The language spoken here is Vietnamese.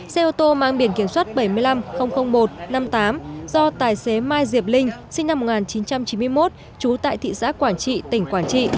xe ô tô mang biển kiểm soát bảy mươi năm một trăm năm mươi tám do tài xế mai diệp linh sinh năm một nghìn chín trăm chín mươi một trú tại thị xã quảng trị tỉnh quảng trị